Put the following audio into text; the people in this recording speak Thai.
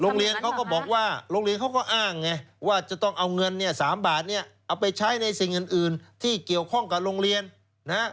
โรงเรียนเขาก็บอกว่าโรงเรียนเขาก็อ้างไงว่าจะต้องเอาเงินเนี่ย๓บาทเนี่ยเอาไปใช้ในสิ่งอื่นที่เกี่ยวข้องกับโรงเรียนนะฮะ